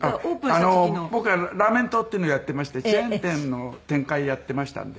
僕ラーメン党っていうのやってましてチェーン店の展開やってましたんで。